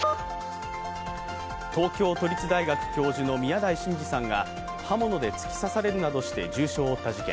東京都立大学教授の宮台真司さんが刃物で突き刺されるなどして重傷を負った事件。